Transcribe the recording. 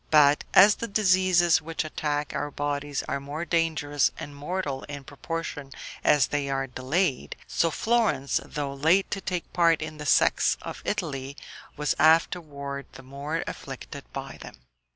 But, as the diseases which attack our bodies are more dangerous and mortal in proportion as they are delayed, so Florence, though late to take part in the sects of Italy, was afterward the more afflicted by them.